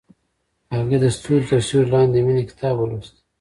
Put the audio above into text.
هغې د ستوري تر سیوري لاندې د مینې کتاب ولوست.